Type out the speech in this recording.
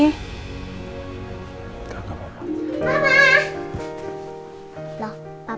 enggak enggak mama